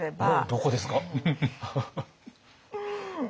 どこですか？